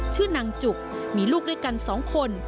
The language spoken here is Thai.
ชื่อนางจุกมีลูกด้วยกัน๒คน